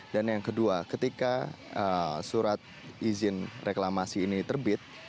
dan yang kedua ketika surat izin reklamasi ini terbit